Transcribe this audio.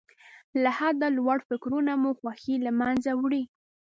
له حده لوړ فکرونه مو خوښۍ له منځه وړي.